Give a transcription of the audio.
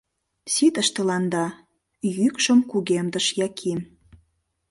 — Ситыш тыланда! — йӱкшым кугемдыш Яким.